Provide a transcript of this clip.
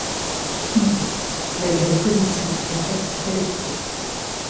Finalement, malgré l'opposition, la taxe fut adoptée.